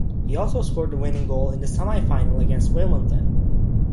He also scored the winning goal in the semi-final against Wimbledon.